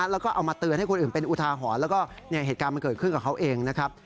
แล้วก็เอามาเตือนให้คนอื่นเป็นอุทาหรณ์แล้วก็เหตุการณ์มันเกิดขึ้นกับเขาเองนะครับ